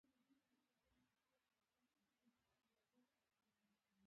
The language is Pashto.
نیکه له ځوانانو ښه تمه لري.